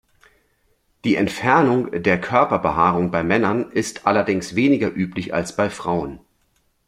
Die Entfernung der Körperbehaarung bei Männern ist allerdings weniger üblich als bei Frauen.